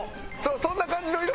そんな感じの色！